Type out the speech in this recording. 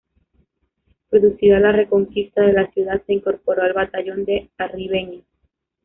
Producida la Reconquista de la ciudad, se incorporó al Batallón de Arribeños.